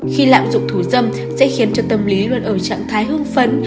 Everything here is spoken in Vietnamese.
khi lạm dụng thù dâm sẽ khiến cho tâm lý luôn ở trạng thái hương phấn